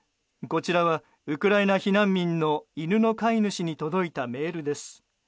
こちらは、ウクライナ避難民の犬の飼い主に届いたメールです。